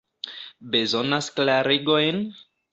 Bezonas klarigojn?